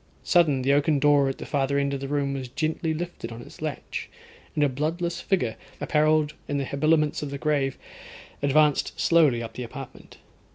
Sudden the oaken door at the farther end of the room was gently lifted on its latch, and a bloodless figure, apparelled in the habiliments of the grave, advanced slowly up the apartment.